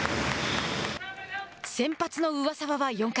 先発の上沢は４回。